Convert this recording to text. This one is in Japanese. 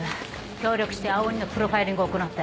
協力して青鬼のプロファイリングを行って。